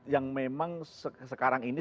yang memang sekarang ini